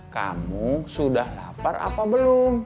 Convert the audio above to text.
kamu sudah lapar apa belum